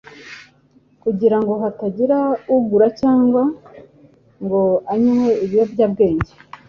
kugira ngo hatagira ugura cyangwa ngo anywe ibiyobyabwenge.